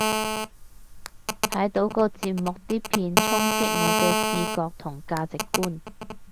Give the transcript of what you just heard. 睇到個節目啲片衝擊我嘅視覺同價值觀